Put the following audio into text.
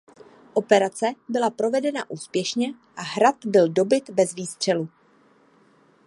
Operace byla provedena úspěšně a hrad byl dobyt bez výstřelu.